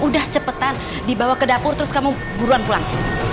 udah cepetan dibawa ke dapur terus kamu buruan pulang